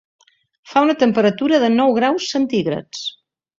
Fa un temperatura de nou graus centígrads.